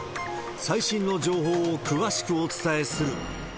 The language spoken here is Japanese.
最新の情報を詳しくお伝えする。